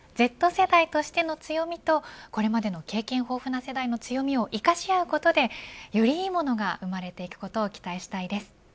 Ｚ世代としての強みとこれまでの経験豊富な世代の強みを生かし合うことでよりいいものが生まれていくことを期待したいです。